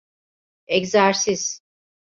Egzersiz.